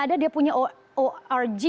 ada dia punya org